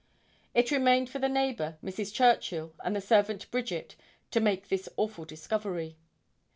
It remained for the neighbor, Mrs. Churchill, and the servant Bridget, to make this awful discovery.